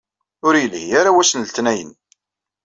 Ur yelhi ara wass n letnayen.